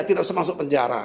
tidak semaksud penjara